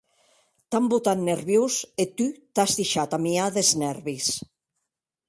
T’an botat nerviós e tu t’as deishat amiar des nèrvis.